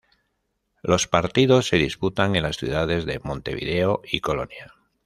Los partidos se disputan en las ciudades de Montevideo y Colonia.